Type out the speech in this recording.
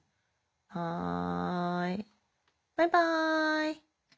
はいバイバイ。